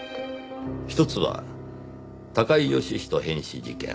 一つは高井義人変死事件。